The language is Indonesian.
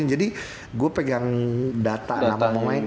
jadi gue pegang data nama pemain